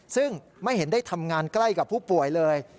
ซึ่งไม่เห็นได้ทำงานใกล้กับผู้ป่วยเลย